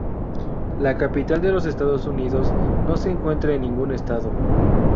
La capital de los Estados Unidos no se encuentra en ningún estado.